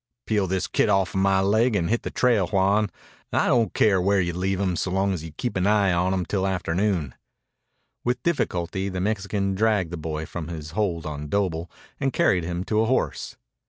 "Peel this kid off'n my leg and hit the trail, Juan. I don' care where you leave him so long as you keep an eye on him till afternoon." With difficulty the Mexican dragged the boy from his hold on Doble and carried him to a horse.